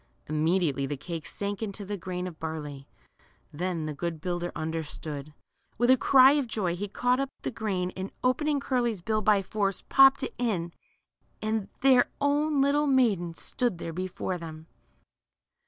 Immediately the cake sank again into the grain of barley. Then the good builder understood. With a cry of joy he caught up the grain, and open ing Curly's bill by force, popped it in, and — their own little maiden stood there before them